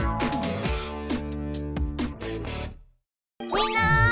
みんな！